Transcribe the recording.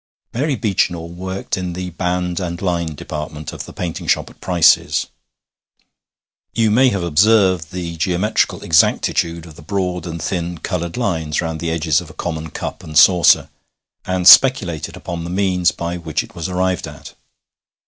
Mary Beechinor worked in the 'band and line' department of the painting shop at Price's. You may have observed the geometrical exactitude of the broad and thin coloured lines round the edges of a common cup and saucer, and speculated upon the means by which it was arrived at.